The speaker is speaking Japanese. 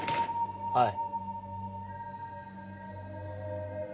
はい。